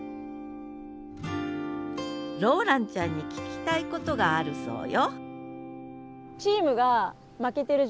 ローランちゃんに聞きたいことがあるそうよ